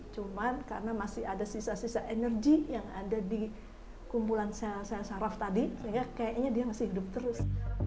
cuman karena masih ada sisa sisa energi yang ada di kumpulan sel sel saraf tadi kayaknya dia masih hidup terus